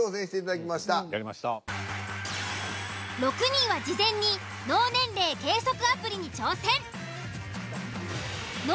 ６人は事前に脳年齢計測アプリに挑戦。